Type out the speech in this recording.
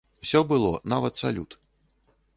Усё было, нават салют.